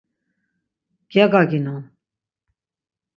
Gyagaginon!